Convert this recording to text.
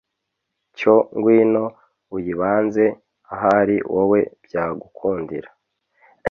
Cyo ngwino uyibanze ahari wowe byagukundira